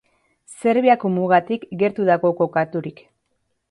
Serbiako mugatik gertu dago kokaturik.